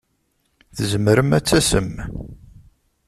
Tzemrem ad tasem?